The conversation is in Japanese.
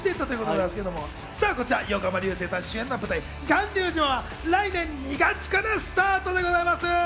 こちら横浜流星さん主演の舞台『巌流島』は来年２月からスタートでございます。